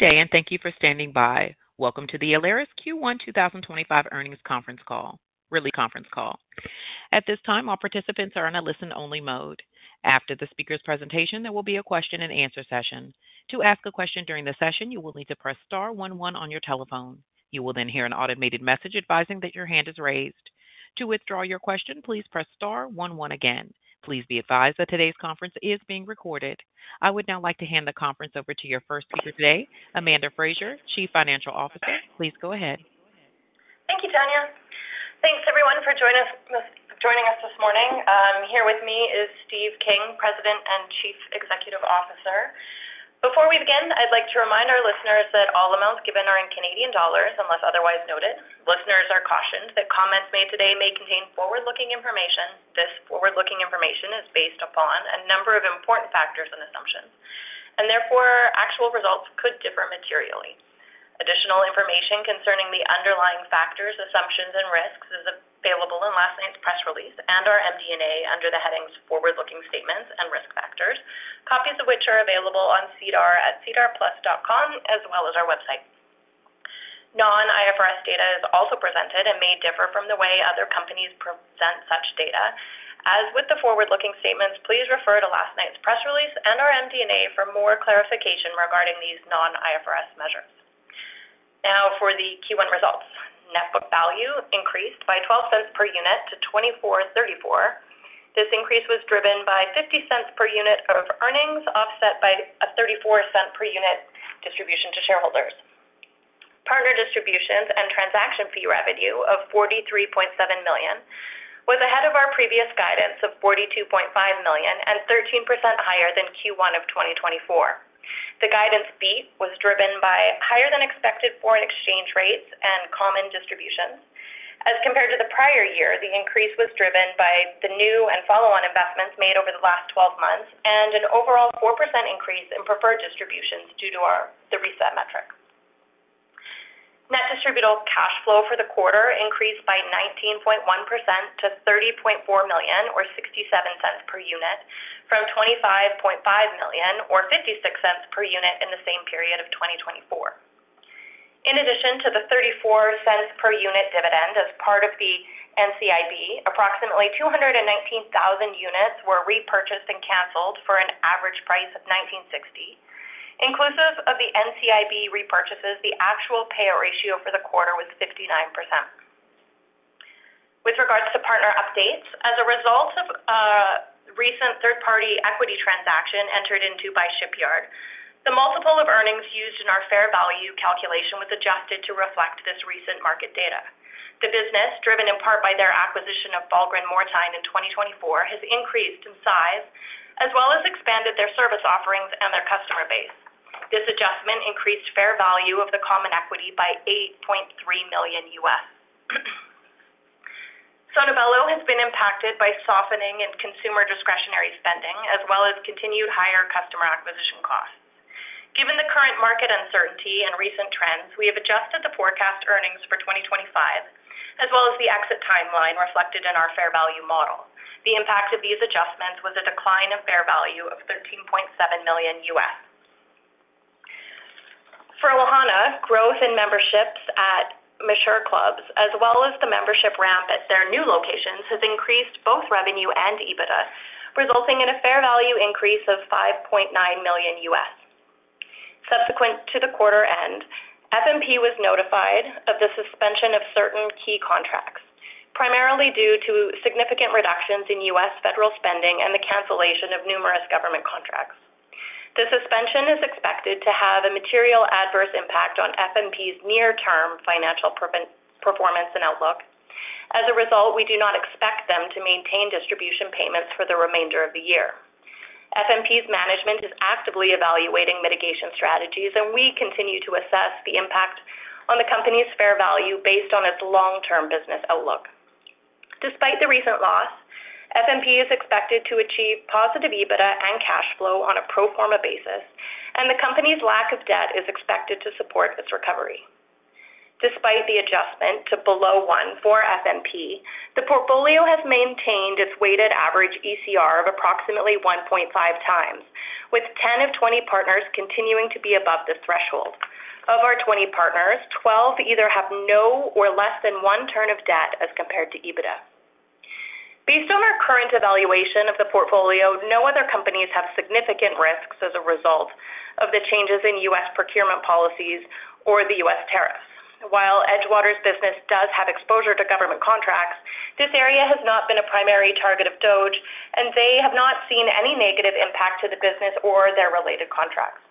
Good day, and thank you for standing by. Welcome to the Alaris Q1 2025 earnings conference call. At this time, all participants are on a listen-only mode. After the speaker's presentation, there will be a question and answer session. To ask a question during the session, you will need to press star 11 on your telephone. You will then hear an automated message advising that your hand is raised. To withdraw your question, please press star 11 again. Please be advised that today's conference is being recorded. I would now like to hand the conference over to your first speaker today, Amanda Frazer, Chief Financial Officer. Please go ahead. Thank you, Tanya. Thanks, everyone, for joining us this morning. Here with me is Steve King, President and Chief Executive Officer. Before we begin, I'd like to remind our listeners that all amounts given are in CAD unless otherwise noted. Listeners are cautioned that comments made today may contain forward-looking information. This forward-looking information is based upon a number of important factors and assumptions, and therefore actual results could differ materially. Additional information concerning the underlying factors, assumptions, and risks is available in last night's press release and our MD&A under the headings Forward-Looking Statements and Risk Factors, copies of which are available on SEDAR+ at sedarplus.com as well as our website. Non-IFRS data is also presented and may differ from the way other companies present such data. As with the forward-looking statements, please refer to last night's press release and our MD&A for more clarification regarding these non-IFRS measures. Now, for the Q1 results, net book value increased by $0.12 per unit to $24.34. This increase was driven by $0.50 per unit of earnings offset by a $0.34 per unit distribution to shareholders. Partner distributions and transaction fee revenue of 43.7 million was ahead of our previous guidance of 42.5 million and 13% higher than Q1 of 2024. The guidance beat was driven by higher-than-expected foreign exchange rates and common distributions. As compared to the prior year, the increase was driven by the new and follow-on investments made over the last 12 months and an overall 4% increase in preferred distributions due to the reset metric. Net distributable cash flow for the quarter increased by 19.1% to 30.4 million or 0.67 per unit from 25.5 million or 0.56 per unit in the same period of 2024. In addition to the 0.34 per unit dividend as part of the NCIB, approximately 219,000 units were repurchased and canceled for an average price of 1,960. Inclusive of the NCIB repurchases, the actual payout ratio for the quarter was 59%. With regards to partner updates, as a result of a recent third-party equity transaction entered into by Shipyard, the multiple of earnings used in our fair value calculation was adjusted to reflect this recent market data. The business, driven in part by their acquisition of Baldwin Moretine in 2024, has increased in size as well as expanded their service offerings and their customer base. This adjustment increased fair value of the common equity by $8.3 million. Sono Bello has been impacted by softening in consumer discretionary spending as well as continued higher customer acquisition costs. Given the current market uncertainty and recent trends, we have adjusted the forecast earnings for 2025 as well as the exit timeline reflected in our fair value model. The impact of these adjustments was a decline in fair value of $13.7 million. For Luhana, growth in memberships at Meshur Clubs as well as the membership ramp at their new locations has increased both revenue and EBITDA, resulting in a fair value increase of $5.9 million. Subsequent to the quarter end, FMP was notified of the suspension of certain key contracts, primarily due to significant reductions in U.S. federal spending and the cancellation of numerous government contracts. The suspension is expected to have a material adverse impact on FMP's near-term financial performance and outlook. As a result, we do not expect them to maintain distribution payments for the remainder of the year. FMP's management is actively evaluating mitigation strategies, and we continue to assess the impact on the company's fair value based on its long-term business outlook. Despite the recent loss, FMP is expected to achieve positive EBITDA and cash flow on a pro forma basis, and the company's lack of debt is expected to support its recovery. Despite the adjustment to below one for FMP, the portfolio has maintained its weighted average ECR of approximately 1.5 times, with 10 of 20 partners continuing to be above this threshold. Of our 20 partners, 12 either have no or less than one turn of debt as compared to EBITDA. Based on our current evaluation of the portfolio, no other companies have significant risks as a result of the changes in U.S. procurement policies or the U.S. tariffs. While Edgewater's business does have exposure to government contracts, this area has not been a primary target of DOGE, and they have not seen any negative impact to the business or their related contracts.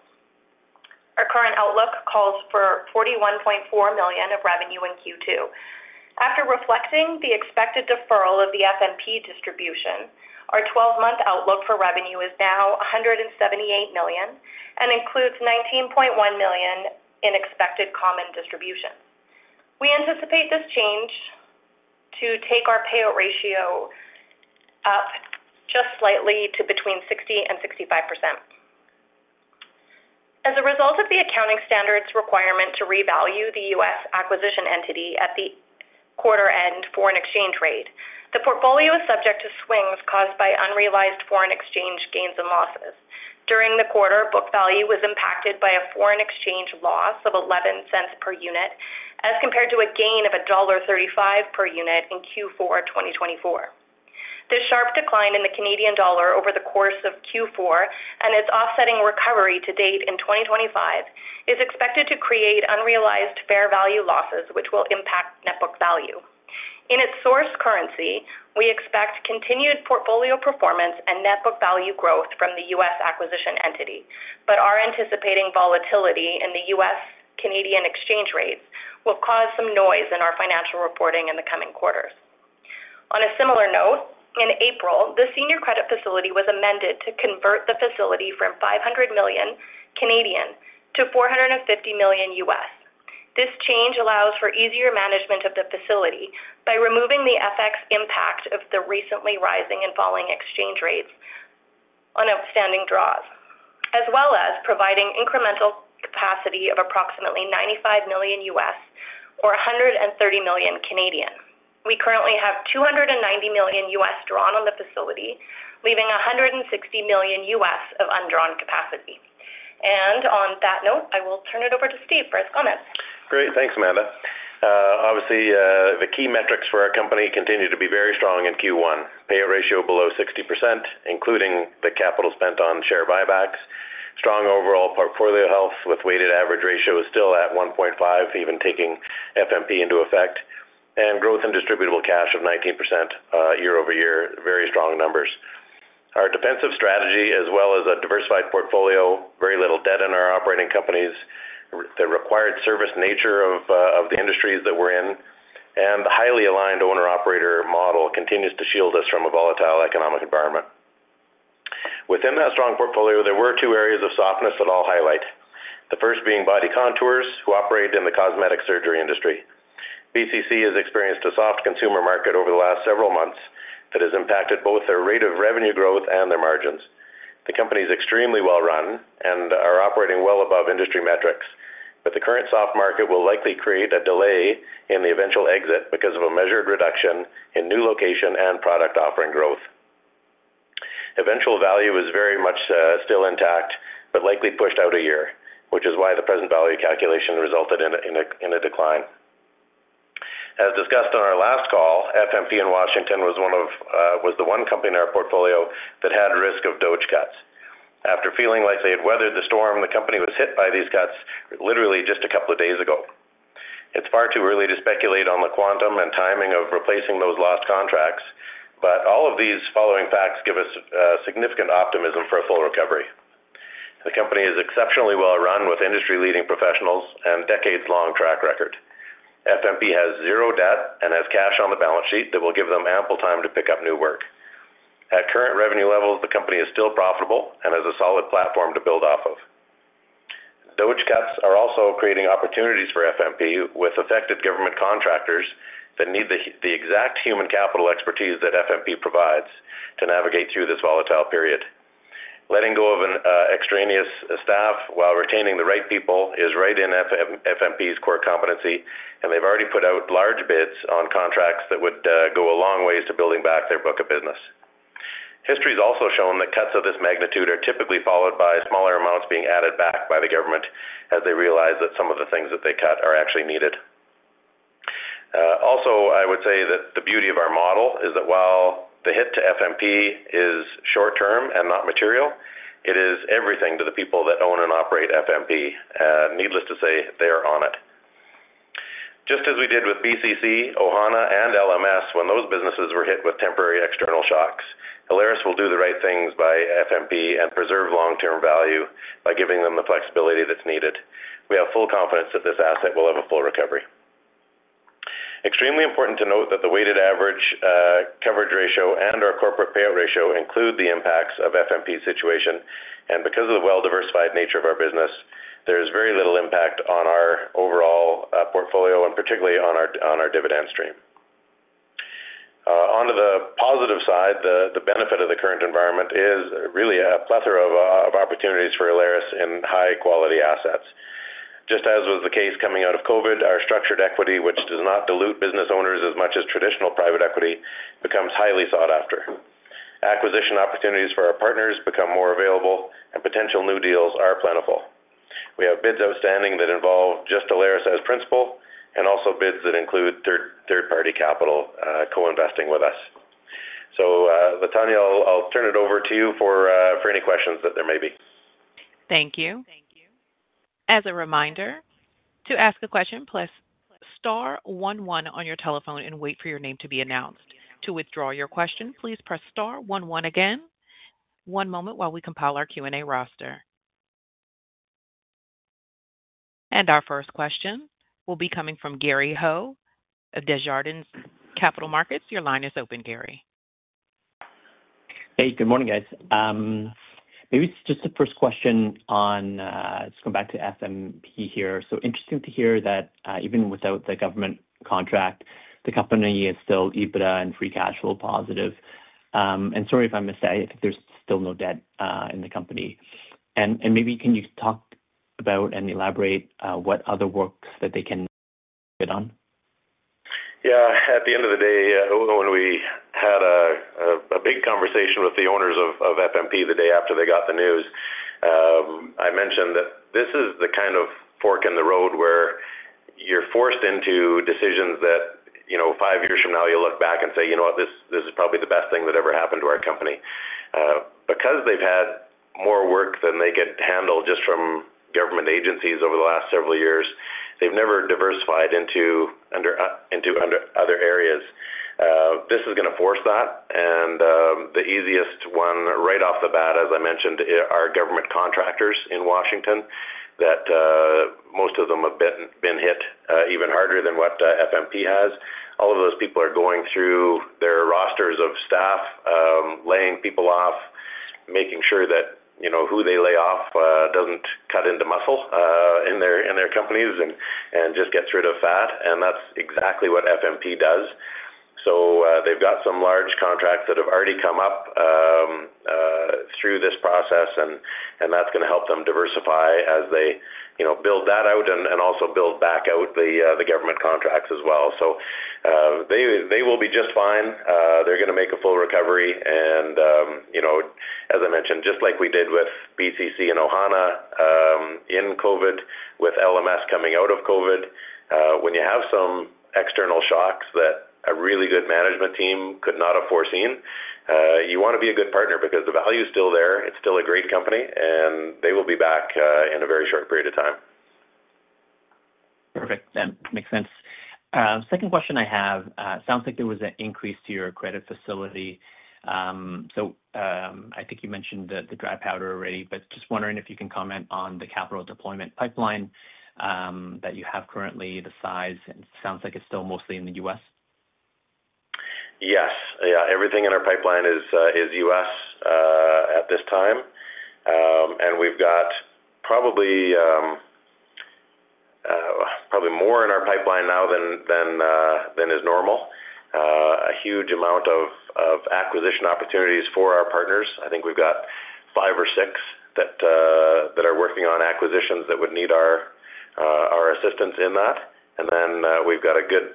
Our current outlook calls for 41.4 million of revenue in Q2. After reflecting the expected deferral of the FMP distribution, our 12-month outlook for revenue is now 178 million and includes 19.1 million in expected common distributions. We anticipate this change to take our payout ratio up just slightly to between 60-65%. As a result of the accounting standards requirement to revalue the US acquisition entity at the quarter-end foreign exchange rate, the portfolio is subject to swings caused by unrealized foreign exchange gains and losses. During the quarter, book value was impacted by a foreign exchange loss of 0.11 per unit as compared to a gain of dollar 1.35 per unit in Q4 2024. This sharp decline in the Canadian dollar over the course of Q4 and its offsetting recovery to date in 2025 is expected to create unrealized fair value losses, which will impact net book value. In its source currency, we expect continued portfolio performance and net book value growth from the U.S. acquisition entity, but our anticipating volatility in the U.S.-Canadian exchange rates will cause some noise in our financial reporting in the coming quarters. On a similar note, in April, the senior credit facility was amended to convert the facility from 500 million to $450 million. This change allows for easier management of the facility by removing the FX impact of the recently rising and falling exchange rates on outstanding draws, as well as providing incremental capacity of approximately $95 million or 130 million. We currently have $290 million drawn on the facility, leaving $160 million of undrawn capacity. On that note, I will turn it over to Steve for his comments. Great. Thanks, Amanda. Obviously, the key metrics for our company continue to be very strong in Q1: payout ratio below 60%, including the capital spent on share buybacks. Strong overall portfolio health with weighted average ratio is still at 1.5, even taking FMP into effect. And growth in distributable cash of 19% year over year. Very strong numbers. Our defensive strategy, as well as a diversified portfolio, very little debt in our operating companies, the required service nature of the industries that we're in, and the highly aligned owner-operator model continues to shield us from a volatile economic environment. Within that strong portfolio, there were two areas of softness that I'll highlight, the first being Body Contours who operate in the cosmetic surgery industry. BCC has experienced a soft consumer market over the last several months that has impacted both their rate of revenue growth and their margins. The company is extremely well run and are operating well above industry metrics, but the current soft market will likely create a delay in the eventual exit because of a measured reduction in new location and product offering growth. Eventual value is very much still intact but likely pushed out a year, which is why the present value calculation resulted in a decline. As discussed on our last call, FMP in Washington was the one company in our portfolio that had risk of DOGE cuts. After feeling like they had weathered the storm, the company was hit by these cuts literally just a couple of days ago. It's far too early to speculate on the quantum and timing of replacing those lost contracts, but all of these following facts give us significant optimism for a full recovery. The company is exceptionally well run with industry-leading professionals and a decades-long track record. FMP has zero debt and has cash on the balance sheet that will give them ample time to pick up new work. At current revenue levels, the company is still profitable and has a solid platform to build off of. DOGE cuts are also creating opportunities for FMP with affected government contractors that need the exact human capital expertise that FMP provides to navigate through this volatile period. Letting go of an extraneous staff while retaining the right people is right in FMP's core competency, and they've already put out large bids on contracts that would go a long way to building back their book of business. History has also shown that cuts of this magnitude are typically followed by smaller amounts being added back by the government as they realize that some of the things that they cut are actually needed. Also, I would say that the beauty of our model is that while the hit to FMP is short-term and not material, it is everything to the people that own and operate FMP. Needless to say, they are on it. Just as we did with BCC, Ohana, and LMS when those businesses were hit with temporary external shocks, Alaris will do the right things by FMP and preserve long-term value by giving them the flexibility that's needed. We have full confidence that this asset will have a full recovery. Extremely important to note that the weighted average coverage ratio and our corporate payout ratio include the impacts of FMP's situation. Because of the well-diversified nature of our business, there is very little impact on our overall portfolio and particularly on our dividend stream. On the positive side, the benefit of the current environment is really a plethora of opportunities for Alaris in high-quality assets. Just as was the case coming out of COVID, our structured equity, which does not dilute business owners as much as traditional private equity, becomes highly sought after. Acquisition opportunities for our partners become more available, and potential new deals are plentiful. We have bids outstanding that involve just Alaris as principal and also bids that include third-party capital co-investing with us. Tanya, I'll turn it over to you for any questions that there may be. Thank you. As a reminder, to ask a question, press star 11 on your telephone and wait for your name to be announced. To withdraw your question, please press star 11 again. One moment while we compile our Q&A roster. Our first question will be coming from Gary Ho of Desjardins Capital Markets. Your line is open, Gary. Hey, good morning, guys. Maybe it's just the first question on, let's go back to FMP here. So interesting to hear that even without the government contract, the company is still EBITDA and free cash flow positive. Sorry if I missed that. I think there's still no debt in the company. Maybe can you talk about and elaborate what other works that they can get on? Yeah. At the end of the day, when we had a big conversation with the owners of FMP the day after they got the news, I mentioned that this is the kind of fork in the road where you're forced into decisions that five years from now you'll look back and say, "You know what? This is probably the best thing that ever happened to our company." Because they've had more work than they could handle just from government agencies over the last several years, they've never diversified into other areas. This is going to force that. The easiest one right off the bat, as I mentioned, are government contractors in Washington that most of them have been hit even harder than what FMP has. All of those people are going through their rosters of staff, laying people off, making sure that who they lay off does not cut into muscle in their companies and just gets rid of fat. That is exactly what FMP does. They have some large contracts that have already come up through this process, and that is going to help them diversify as they build that out and also build back out the government contracts as well. They will be just fine. They are going to make a full recovery. As I mentioned, just like we did with BCC and Ohana in COVID, with LMS coming out of COVID, when you have some external shocks that a really good management team could not have foreseen, you want to be a good partner because the value is still there. It's still a great company, and they will be back in a very short period of time. Perfect. That makes sense. Second question I have, it sounds like there was an increase to your credit facility. I think you mentioned the dry powder already, but just wondering if you can comment on the capital deployment pipeline that you have currently, the size, and it sounds like it's still mostly in the US. Yes. Yeah. Everything in our pipeline is US at this time. We have probably more in our pipeline now than is normal. A huge amount of acquisition opportunities for our partners. I think we have five or six that are working on acquisitions that would need our assistance in that. We have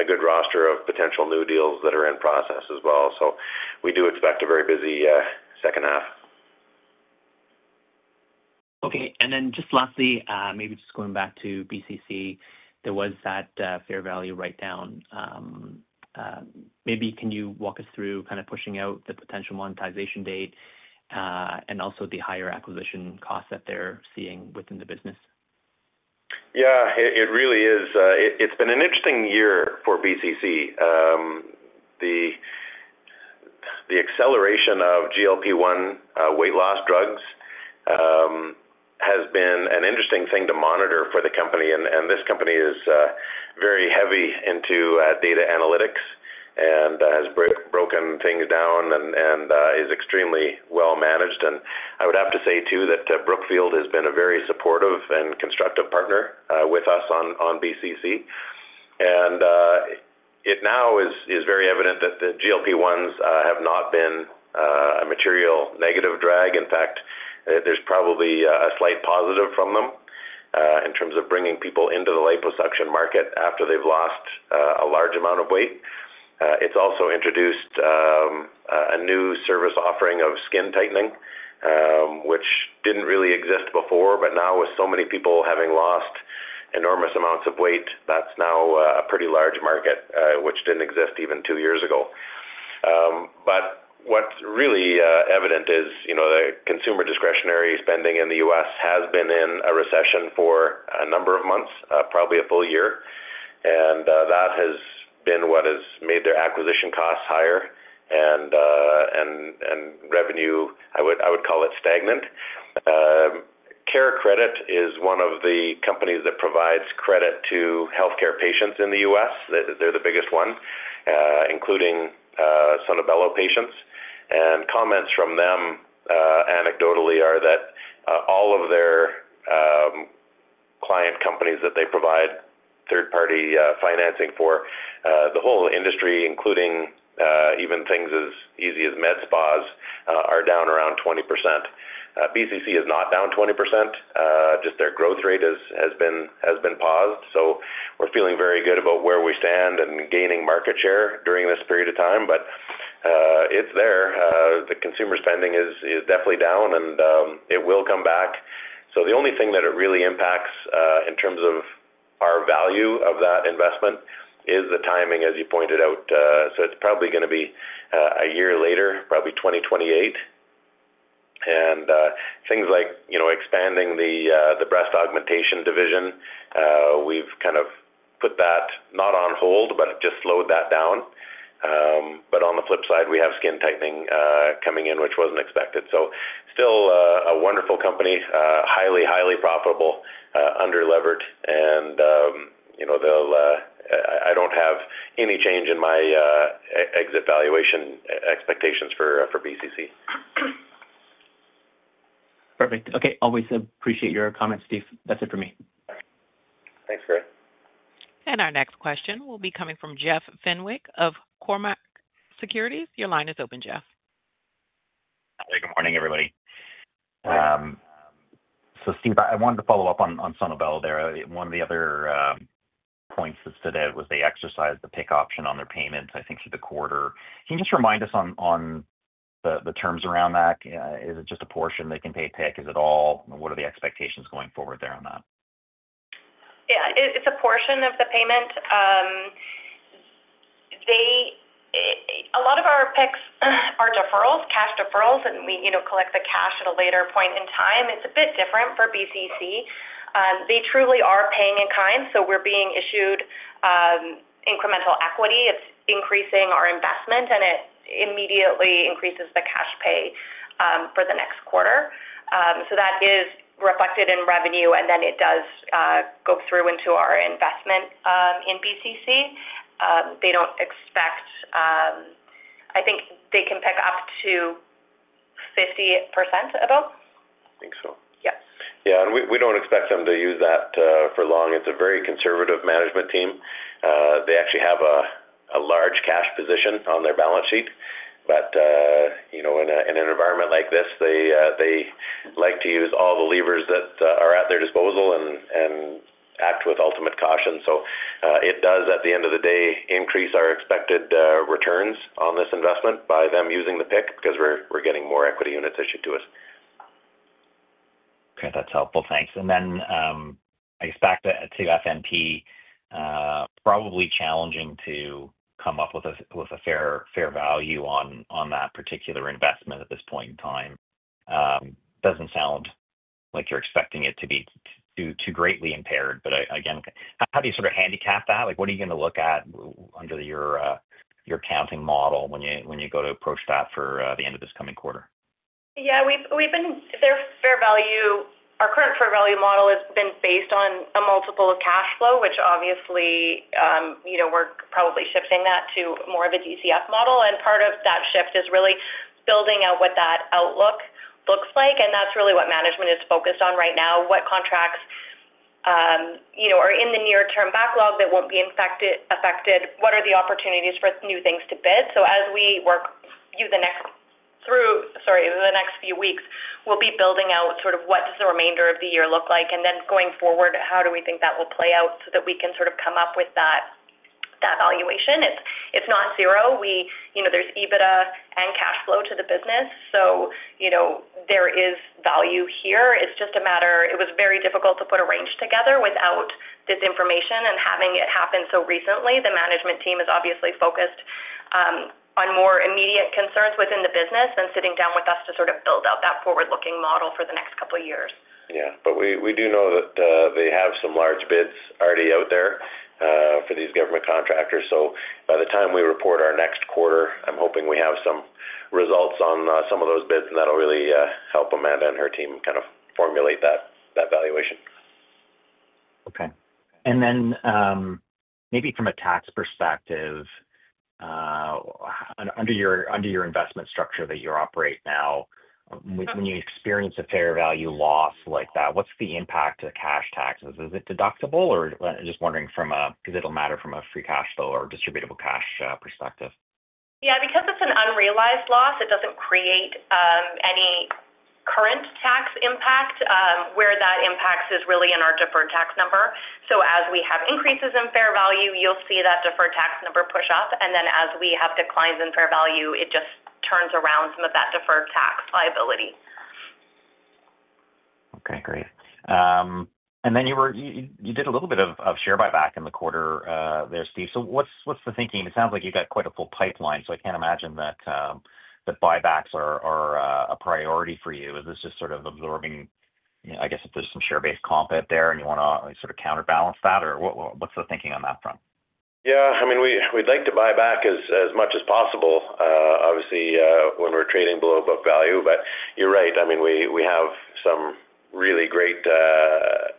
a good roster of potential new deals that are in process as well. We do expect a very busy second half. Okay. And then just lastly, maybe just going back to BCC, there was that fair value write-down. Maybe can you walk us through kind of pushing out the potential monetization date and also the higher acquisition costs that they're seeing within the business? Yeah. It really is. It's been an interesting year for BCC. The acceleration of GLP-1 weight loss drugs has been an interesting thing to monitor for the company. This company is very heavy into data analytics and has broken things down and is extremely well managed. I would have to say too that Brookfield has been a very supportive and constructive partner with us on BCC. It now is very evident that the GLP-1s have not been a material negative drag. In fact, there's probably a slight positive from them in terms of bringing people into the liposuction market after they've lost a large amount of weight. It's also introduced a new service offering of skin tightening, which didn't really exist before, but now with so many people having lost enormous amounts of weight, that's now a pretty large market, which didn't exist even two years ago. What is really evident is the consumer discretionary spending in the U.S. has been in a recession for a number of months, probably a full year. That has been what has made their acquisition costs higher and revenue, I would call it stagnant. CareCredit is one of the companies that provides credit to healthcare patients in the U.S. They're the biggest one, including Sono Bello patients. Comments from them anecdotally are that all of their client companies that they provide third-party financing for, the whole industry, including even things as easy as med spas, are down around 20%. BCC is not down 20%. Just their growth rate has been paused. We are feeling very good about where we stand and gaining market share during this period of time, but it is there. The consumer spending is definitely down, and it will come back. The only thing that it really impacts in terms of our value of that investment is the timing, as you pointed out. It's probably going to be a year later, probably 2028. Things like expanding the breast augmentation division, we've kind of put that not on hold, but just slowed that down. On the flip side, we have skin tightening coming in, which wasn't expected. Still a wonderful company, highly, highly profitable, under-levered. I don't have any change in my exit valuation expectations for BCC. Perfect. Okay. Always appreciate your comments, Steve. That's it for me. Thanks, Gary. Our next question will be coming from Jeff Fenwick of Cormark Securities. Your line is open, Jeff. Hi. Good morning, everybody. Steve, I wanted to follow up on Sono Bello there. One of the other points that was stated was they exercised the PIK option on their payments, I think, for the quarter. Can you just remind us on the terms around that? Is it just a portion they can pay PIK? Is it all? What are the expectations going forward there on that? Yeah. It is a portion of the payment. A lot of our picks are deferrals, cash deferrals, and we collect the cash at a later point in time. It is a bit different for BCC. They truly are paying in kind, so we are being issued incremental equity. It is increasing our investment, and it immediately increases the cash pay for the next quarter. That is reflected in revenue, and then it does go through into our investment in BCC. They do not expect, I think they can pick up to 50% of them. I think so. Yep. Yeah. We do not expect them to use that for long. It is a very conservative management team. They actually have a large cash position on their balance sheet. In an environment like this, they like to use all the levers that are at their disposal and act with ultimate caution. It does, at the end of the day, increase our expected returns on this investment by them using the pick because we are getting more equity units issued to us. Okay. That's helpful. Thanks. I guess back to FMP, probably challenging to come up with a fair value on that particular investment at this point in time. Doesn't sound like you're expecting it to be too greatly impaired, but again, how do you sort of handicap that? What are you going to look at under your accounting model when you go to approach that for the end of this coming quarter? Yeah. Our current fair value model has been based on a multiple of cash flow, which obviously we're probably shifting that to more of a DCF model. Part of that shift is really building out what that outlook looks like. That's really what management is focused on right now. What contracts are in the near-term backlog that will not be affected? What are the opportunities for new things to bid? As we work through the next few weeks, we'll be building out sort of what does the remainder of the year look like? Going forward, how do we think that will play out so that we can sort of come up with that valuation? It's not zero. There's EBITDA and cash flow to the business, so there is value here. It's just a matter it was very difficult to put a range together without this information and having it happen so recently. The management team is obviously focused on more immediate concerns within the business than sitting down with us to sort of build out that forward-looking model for the next couple of years. Yeah. We do know that they have some large bids already out there for these government contractors. By the time we report our next quarter, I'm hoping we have some results on some of those bids, and that'll really help Amanda and her team kind of formulate that valuation. Okay. Maybe from a tax perspective, under your investment structure that you operate now, when you experience a fair value loss like that, what's the impact to cash taxes? Is it deductible or just wondering because it'll matter from a free cash flow or distributable cash perspective? Yeah. Because it's an unrealized loss, it doesn't create any current tax impact. Where that impacts is really in our deferred tax number. As we have increases in fair value, you'll see that deferred tax number push up. As we have declines in fair value, it just turns around some of that deferred tax liability. Okay. Great. Then you did a little bit of share buyback in the quarter there, Steve. What's the thinking? It sounds like you've got quite a full pipeline, so I can't imagine that buybacks are a priority for you. Is this just sort of absorbing? I guess if there's some share-based comp out there and you want to sort of counterbalance that, or what's the thinking on that front? Yeah. I mean, we'd like to buy back as much as possible, obviously, when we're trading below book value. You're right. I mean, we have some really great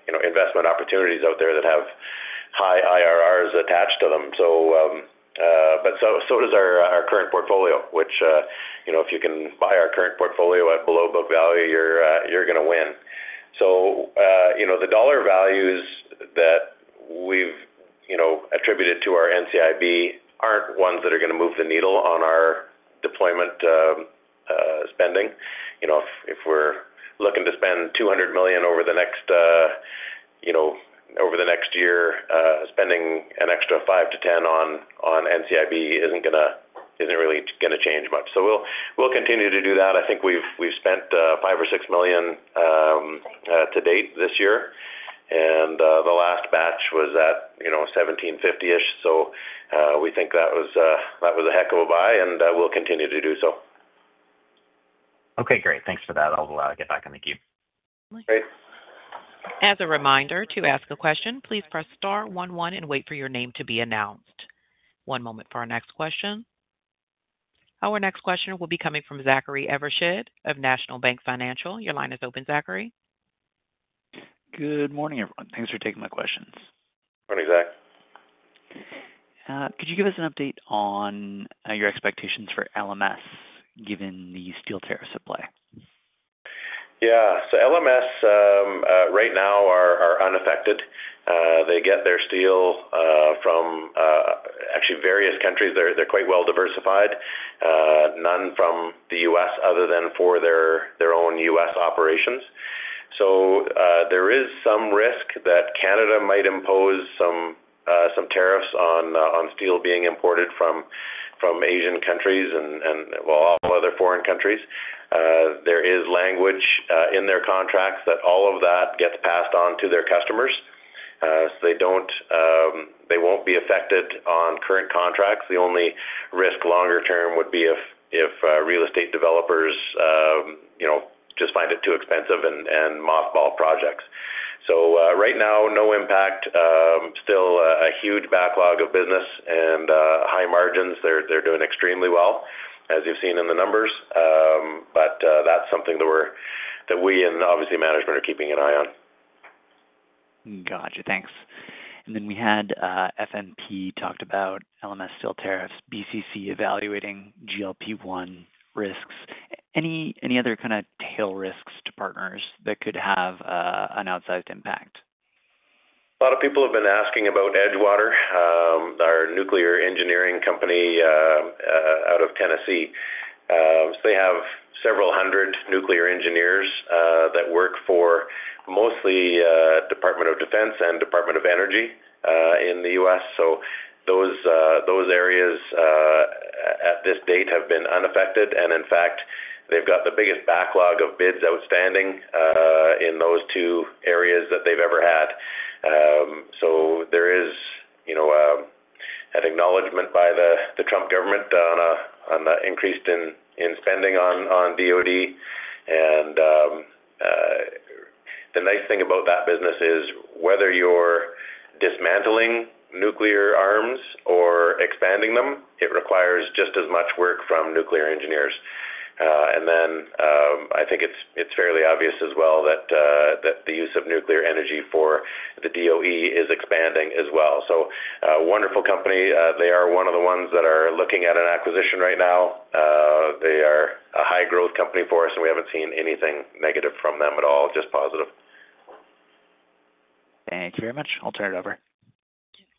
investment opportunities out there that have high IRRs attached to them. But so does our current portfolio, which if you can buy our current portfolio at below book value, you're going to win. The dollar values that we've attributed to our NCIB are not ones that are going to move the needle on our deployment spending. If we're looking to spend 200 million over the next year, spending an extra 5-10 million on NCIB is not really going to change much. We'll continue to do that. I think we've spent 5 or 6 million to date this year, and the last batch was at 1,750-ish. We think that was a heck of a buy, and we'll continue to do so. Okay. Great. Thanks for that. I'll get back, and thank you. Great. As a reminder, to ask a question, please press star 11 and wait for your name to be announced. One moment for our next question. Our next question will be coming from Zachary Evershed of National Bank Financial. Your line is open, Zachary. Good morning, everyone. Thanks for taking my questions. Morning, Zach. Could you give us an update on your expectations for LMS given the steel tariffs at play? Yeah. LMS right now are unaffected. They get their steel from actually various countries. They're quite well diversified, none from the U.S. other than for their own U.S. operations. There is some risk that Canada might impose some tariffs on steel being imported from Asian countries and, well, all other foreign countries. There is language in their contracts that all of that gets passed on to their customers, so they will not be affected on current contracts. The only risk longer term would be if real estate developers just find it too expensive and mothball projects. Right now, no impact. Still a huge backlog of business and high margins. They're doing extremely well, as you've seen in the numbers. That is something that we and obviously management are keeping an eye on. Gotcha. Thanks. And then we had FMP talked about LMS steel tariffs, BCC evaluating GLP-1 risks. Any other kind of tail risks to partners that could have an outsized impact? A lot of people have been asking about Edgewater, our nuclear engineering company out of Tennessee. They have several hundred nuclear engineers that work for mostly Department of Defense and Department of Energy in the U.S. Those areas at this date have been unaffected. In fact, they have the biggest backlog of bids outstanding in those two areas that they have ever had. There is an acknowledgment by the Trump government on the increase in spending on DOD. The nice thing about that business is whether you are dismantling nuclear arms or expanding them, it requires just as much work from nuclear engineers. I think it is fairly obvious as well that the use of nuclear energy for the DOE is expanding as well. Wonderful company. They are one of the ones that are looking at an acquisition right now. They are a high-growth company for us, and we have not seen anything negative from them at all, just positive. Thank you very much. I'll turn it over.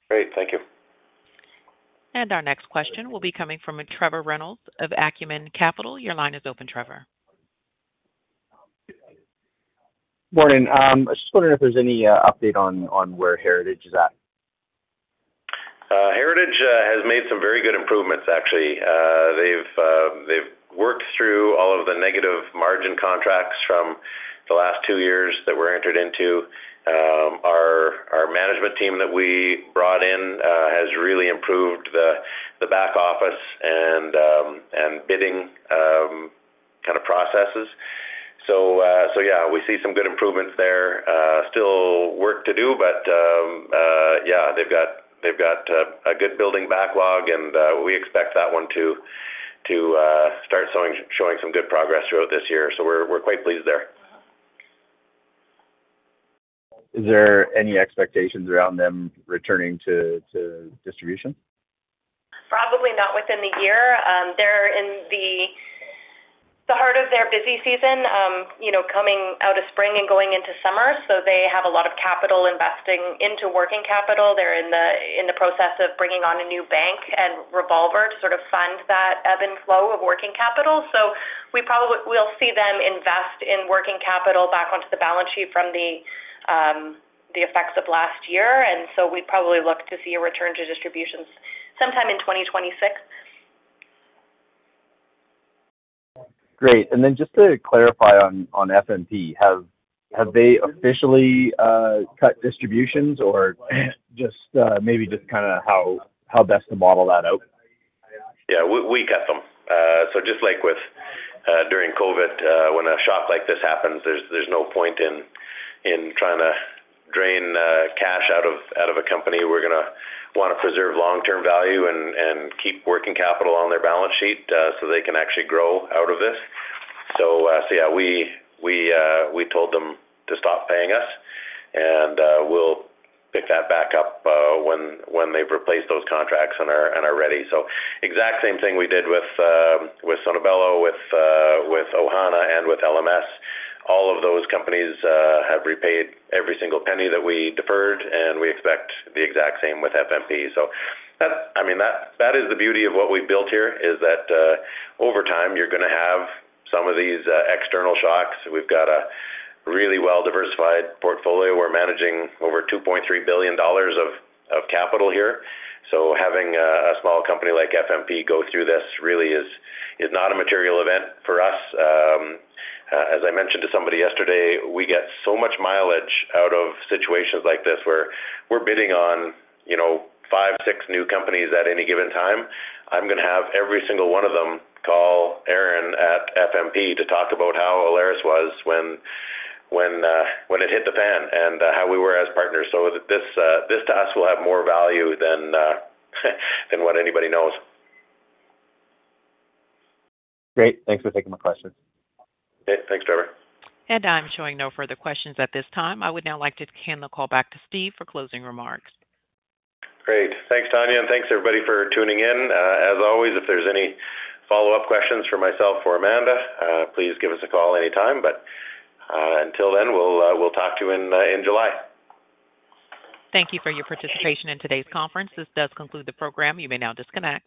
Great. Thank you. Our next question will be coming from Trevor Reynolds of Acumen Capital. Your line is open, Trevor. Morning. I was just wondering if there's any update on where Heritage is at. Heritage has made some very good improvements, actually. They've worked through all of the negative margin contracts from the last two years that were entered into. Our management team that we brought in has really improved the back office and bidding kind of processes. Yeah, we see some good improvements there. Still work to do, but yeah, they've got a good building backlog, and we expect that one to start showing some good progress throughout this year. We're quite pleased there. Is there any expectations around them returning to distributions? Probably not within the year. They're in the heart of their busy season coming out of spring and going into summer. They have a lot of capital investing into working capital. They're in the process of bringing on a new bank and revolver to sort of fund that ebb and flow of working capital. We'll see them invest in working capital back onto the balance sheet from the effects of last year. We'd probably look to see a return to distributions sometime in 2026. Great. Just to clarify on FMP, have they officially cut distributions or just maybe just kind of how best to model that out? Yeah. We cut them. Just like during COVID, when a shock like this happens, there's no point in trying to drain cash out of a company. We're going to want to preserve long-term value and keep working capital on their balance sheet so they can actually grow out of this. Yeah, we told them to stop paying us, and we'll pick that back up when they've replaced those contracts and are ready. Exact same thing we did with Sono Bello, with Ohana, and with LMS. All of those companies have repaid every single penny that we deferred, and we expect the exact same with FMP. I mean, that is the beauty of what we've built here is that over time, you're going to have some of these external shocks. We've got a really well-diversified portfolio. We're managing over 2.3 billion dollars of capital here. Having a small company like FMP go through this really is not a material event for us. As I mentioned to somebody yesterday, we get so much mileage out of situations like this where we're bidding on five, six new companies at any given time. I'm going to have every single one of them call Aaron at FMP to talk about how Alaris was when it hit the fan and how we were as partners. This to us will have more value than what anybody knows. Great. Thanks for taking my questions. Okay. Thanks, Trevor. I am showing no further questions at this time. I would now like to hand the call back to Steve for closing remarks. Great. Thanks, Tanya. Thanks, everybody, for tuning in. As always, if there's any follow-up questions for myself or Amanda, please give us a call anytime. Until then, we'll talk to you in July. Thank you for your participation in today's conference. This does conclude the program. You may now disconnect.